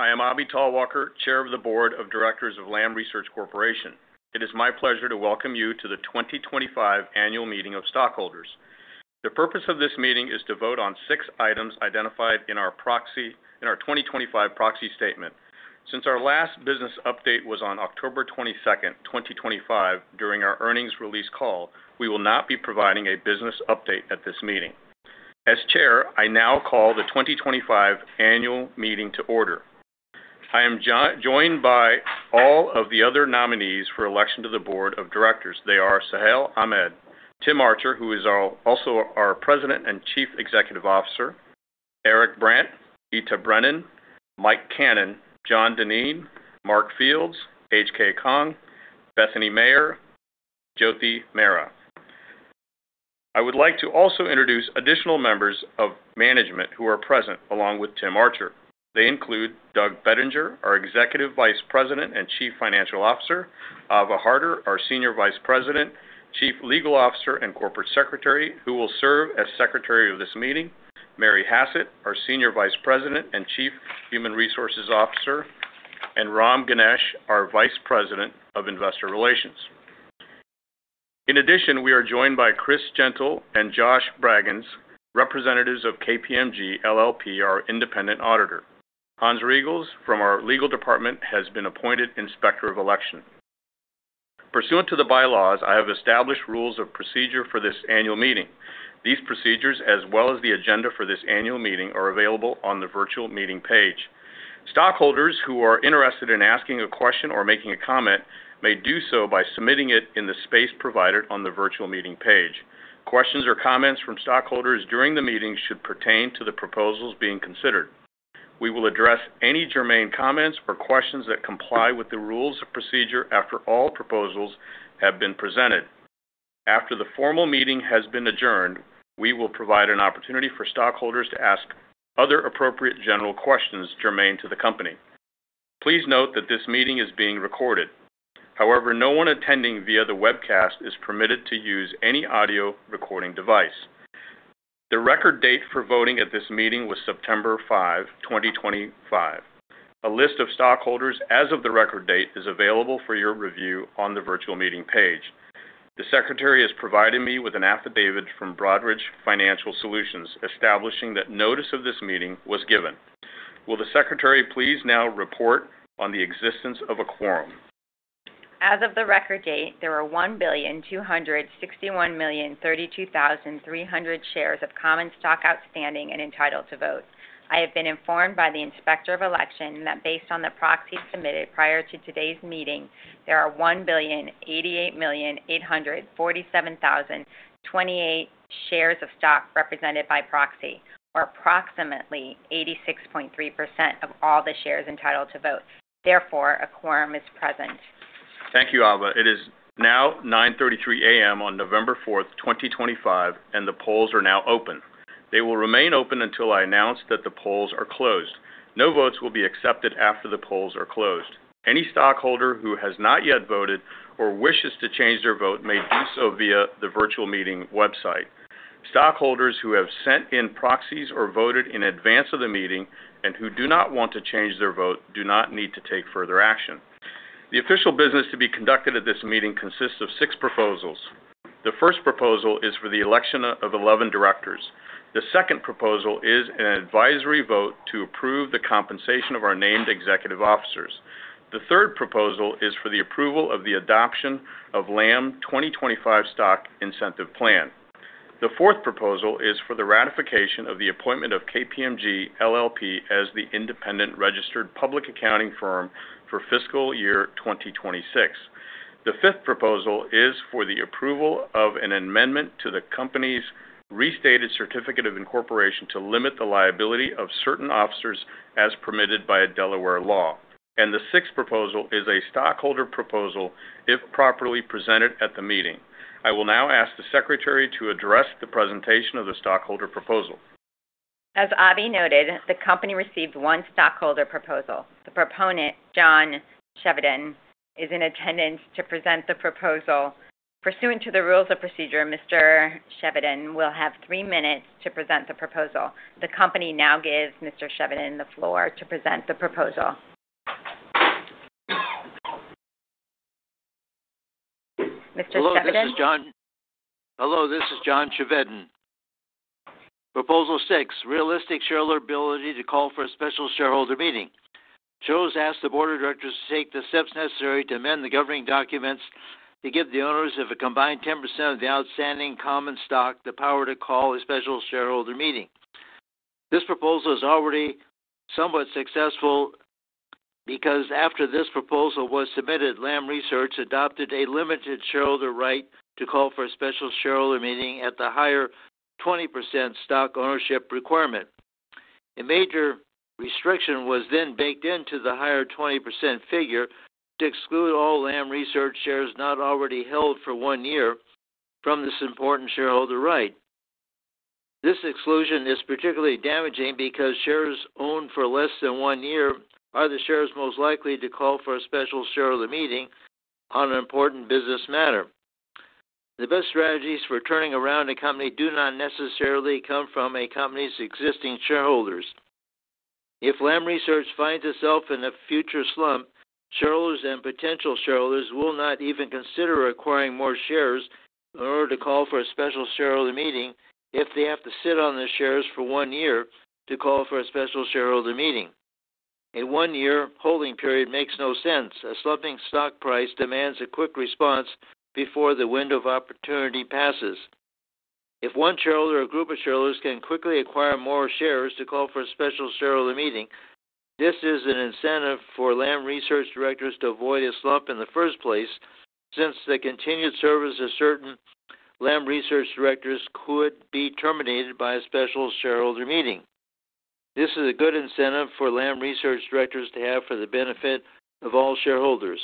I am Abhi Talwalkar, Chair of the Board of Directors of Lam Research Corporation. It is my pleasure to welcome you to the 2025 Annual Meeting of Stockholders. The purpose of this meeting is to vote on six items identified in our 2025 Proxy Statement. Since our last business update was on October 22, 2025, during our earnings release call, we will not be providing a business update at this meeting. As Chair, I now call the 2025 Annual Meeting to order. I am joined by all of the other nominees for election to the Board of Directors. They are Sahel Ahmed, Tim Archer, who is also our President and Chief Executive Officer, Eric Brandt, Ita Brennan, Mike Cannon, John Denene, Mark Fields, H.K. Kang, Bethany Mayer, and Jothy Mara. I would like to also introduce additional members of management who are present, along with Tim Archer. They include Doug Bettinger, our Executive Vice President and Chief Financial Officer; Ava Hahn, our Senior Vice President, Chief Legal Officer, and Corporate Secretary, who will serve as Secretary of this meeting; Mary Hassett, our Senior Vice President and Chief Human Resources Officer; and Ram Ganesh, our Vice President of Investor Relations. In addition, we are joined by Chris Gentle and Josh Braggins, representatives of KPMG LLP, our independent auditor. Hans Regels from our legal department has been appointed Inspector of Election. Pursuant to the bylaws, I have established rules of procedure for this annual meeting. These procedures, as well as the agenda for this annual meeting, are available on the virtual meeting page. Stockholders who are interested in asking a question or making a comment may do so by submitting it in the space provided on the virtual meeting page. Questions or comments from stockholders during the meeting should pertain to the proposals being considered. We will address any germane comments or questions that comply with the rules of procedure after all proposals have been presented. After the formal meeting has been adjourned, we will provide an opportunity for stockholders to ask other appropriate general questions germane to the company. Please note that this meeting is being recorded. However, no one attending via the webcast is permitted to use any audio recording device. The record date for voting at this meeting was September 5, 2025. A list of stockholders as of the record date is available for your review on the virtual meeting page. The Secretary has provided me with an affidavit from Broadridge Financial Solutions establishing that notice of this meeting was given. Will the Secretary please now report on the existence of a quorum? As of the record date, there are 1,261,032,300 shares of common stock outstanding and entitled to vote. I have been informed by the Inspector of Election that based on the proxy submitted prior to today's meeting, there are 1,088,847,028 shares of stock represented by proxy, or approximately 86.3% of all the shares entitled to vote. Therefore, a quorum is present. Thank you, Ava. It is now 9:33 A.M. on November 4, 2025, and the polls are now open. They will remain open until I announce that the polls are closed. No votes will be accepted after the polls are closed. Any stockholder who has not yet voted or wishes to change their vote may do so via the virtual meeting website. Stockholders who have sent in proxies or voted in advance of the meeting and who do not want to change their vote do not need to take further action. The official business to be conducted at this meeting consists of six proposals. The first proposal is for the election of 11 directors. The second proposal is an advisory vote to approve the compensation of our named executive officers. The third proposal is for the approval of the adoption of Lam 2025 Stock Incentive Plan. The fourth proposal is for the ratification of the appointment of KPMG LLP as the independent registered public accounting firm for fiscal year 2026. The fifth proposal is for the approval of an amendment to the company's restated certificate of incorporation to limit the liability of certain officers as permitted by a Delaware law, and the sixth proposal is a stockholder proposal if properly presented at the meeting. I will now ask the Secretary to address the presentation of the stockholder proposal. As Abhi noted, the company received one stockholder proposal. The proponent, John Chevedden, is in attendance to present the proposal. Pursuant to the rules of procedure, Mr. Chevedden will have three minutes to present the proposal. The company now gives Mr. Chevedden the floor to present the proposal. Mr. Chevedden. Hello, this is John Chevedden. Proposal six, realistic shareholder ability to call for a special shareholder meeting. This asks the board of directors to take the steps necessary to amend the governing documents to give the owners of a combined 10% of the outstanding common stock the power to call a special shareholder meeting. This proposal is already somewhat successful. Because after this proposal was submitted, Lam Research adopted a limited shareholder right to call for a special shareholder meeting at the higher 20% stock ownership requirement. A major restriction was then baked into the higher 20% figure to exclude all Lam Research shares not already held for one year from this important shareholder right. This exclusion is particularly damaging because shares owned for less than one year are the shares most likely to call for a special shareholder meeting on an important business matter. The best strategies for turning around a company do not necessarily come from a company's existing shareholders. If Lam Research finds itself in a future slump, shareholders and potential shareholders will not even consider acquiring more shares in order to call for a special shareholder meeting if they have to sit on the shares for one year to call for a special shareholder meeting. A one-year holding period makes no sense. A slumping stock price demands a quick response before the window of opportunity passes. If one shareholder or a group of shareholders can quickly acquire more shares to call for a special shareholder meeting, this is an incentive for Lam Research directors to avoid a slump in the first place since the continued service of certain Lam Research directors could be terminated by a special shareholder meeting. This is a good incentive for Lam Research directors to have for the benefit of all shareholders.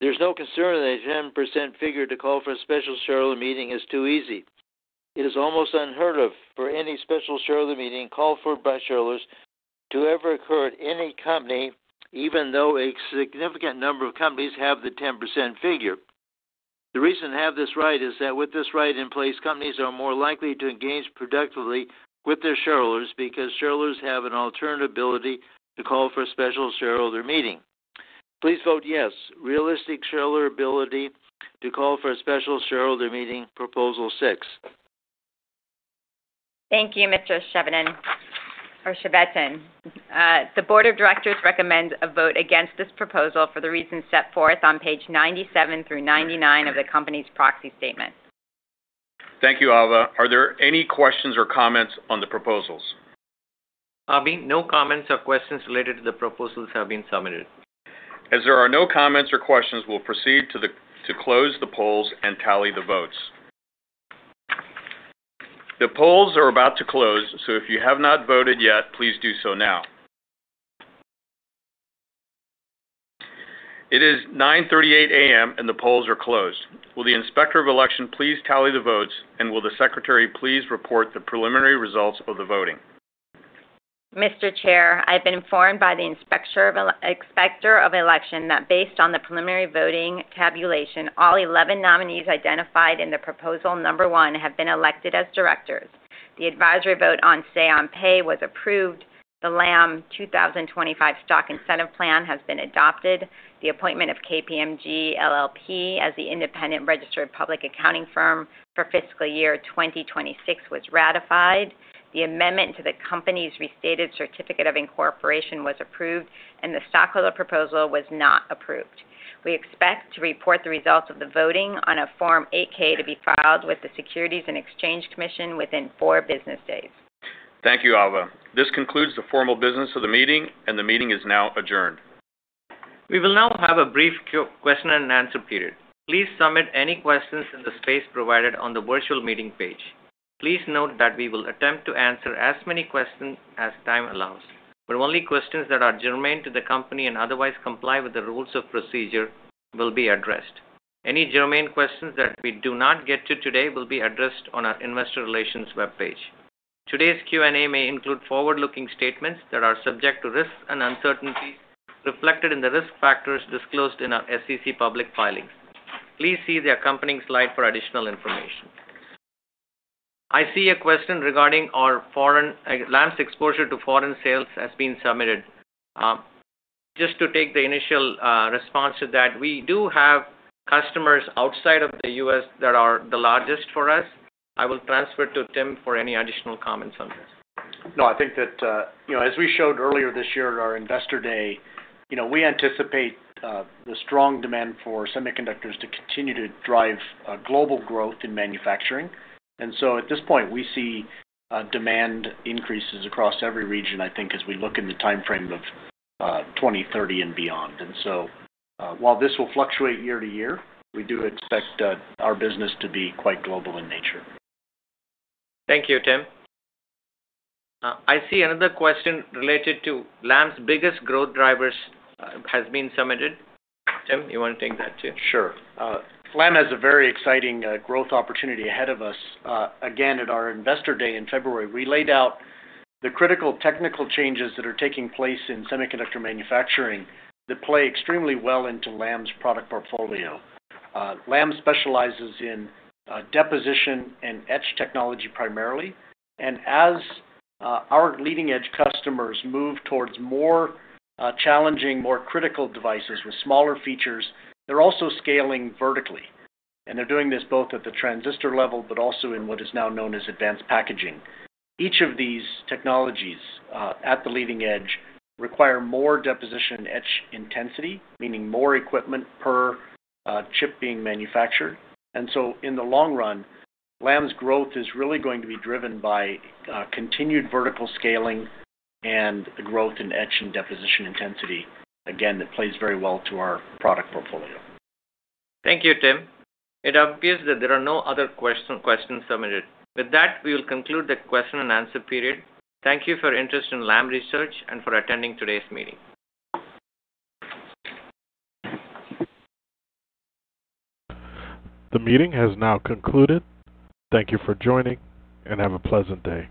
There's no concern that a 10% figure to call for a special shareholder meeting is too easy. It is almost unheard of for any special shareholder meeting called for by shareholders to ever occur at any company, even though a significant number of companies have the 10% figure. The reason to have this right is that with this right in place, companies are more likely to engage productively with their shareholders because shareholders have an alternative ability to call for a special shareholder meeting. Please vote yes, realistic shareholder ability to call for a special shareholder meeting proposal six. Thank you, Mr. Chevedden. The Board of Directors recommends a vote against this proposal for the reasons set forth on pages 97 through 99 of the company's Proxy Statement. Thank you, Ava. Are there any questions or comments on the proposals? Abhi, no comments or questions related to the proposals have been submitted. As there are no comments or questions, we'll proceed to close the polls and tally the votes. The polls are about to close, so if you have not voted yet, please do so now. It is 9:38 A.M., and the polls are closed. Will the Inspector of Election please tally the votes, and will the Secretary please report the preliminary results of the voting? Mr. Chair, I've been informed by the Inspector of Election that based on the preliminary voting tabulation, all 11 nominees identified in the proposal number one have been elected as directors. The advisory vote on say on pay was approved. The Lam 2025 Stock Incentive Plan has been adopted. The appointment of KPMG LLP as the independent registered public accounting firm for fiscal year 2026 was ratified. The amendment to the company's restated certificate of incorporation was approved, and the stockholder proposal was not approved. We expect to report the results of the voting on a Form 8-K to be filed with the Securities and Exchange Commission within four business days. Thank you, Ava. This concludes the formal business of the meeting, and the meeting is now adjourned. We will now have a brief question-and-answer period. Please submit any questions in the space provided on the virtual meeting page. Please note that we will attempt to answer as many questions as time allows, but only questions that are germane to the company and otherwise comply with the rules of procedure will be addressed. Any germane questions that we do not get to today will be addressed on our Investor Relations webpage. Today's Q&A may include forward-looking statements that are subject to risks and uncertainties reflected in the risk factors disclosed in our SEC public filings. Please see the accompanying slide for additional information. I see a question regarding our foreign, Lam's exposure to foreign sales has been submitted. Just to take the initial response to that, we do have customers outside of the U.S. that are the largest for us. I will transfer to Tim for any additional comments on this. No, I think that, as we showed earlier this year at our Investor Day, we anticipate the strong demand for semiconductors to continue to drive global growth in manufacturing, and so at this point, we see demand increases across every region, I think, as we look in the timeframe of 2030 and beyond, and so while this will fluctuate year to year, we do expect our business to be quite global in nature. Thank you, Tim. I see another question related to Lam's biggest growth drivers has been submitted. Tim, you want to take that too? Sure. Lam has a very exciting growth opportunity ahead of us. Again, at our Investor Day in February, we laid out the critical technical changes that are taking place in semiconductor manufacturing that play extremely well into Lam's product portfolio. Lam specializes in deposition and etch technology primarily, and as our leading-edge customers move towards more challenging, more critical devices with smaller features, they're also scaling vertically, and they're doing this both at the transistor level, but also in what is now known as advanced packaging. Each of these technologies at the leading edge require more deposition and etch intensity, meaning more equipment per chip being manufactured, and so in the long run, Lam's growth is really going to be driven by continued vertical scaling and growth in etch and deposition intensity, again, that plays very well to our product portfolio. Thank you, Tim. It appears that there are no other questions submitted. With that, we will conclude the question and answer period. Thank you for your interest in Lam Research and for attending today's meeting. The meeting has now concluded. Thank you for joining, and have a pleasant day.